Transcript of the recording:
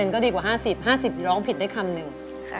ก็ดีกว่า๕๐๕๐ร้องผิดได้คำหนึ่ง